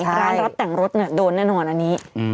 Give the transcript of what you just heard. ร้านรับแต่งรถโดนแน่นอนอันนี้